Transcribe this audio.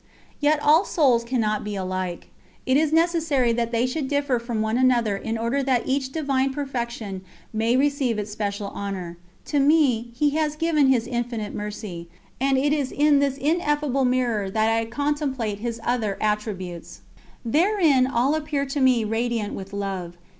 Yet all souls cannot be alike. It is necessary that they should differ from one another in order that each Divine Perfection may receive its special honour. To me, He has given His Infinite Mercy, and it is in this ineffable mirror that I contemplate his other attributes. Therein all appear to me radiant with Love.